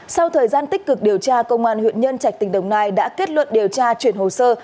sau thời gian tích cực điều tra công an huyện nhân trạch tỉnh đồng nai đã kết luận điều tra chuyển hồ sơ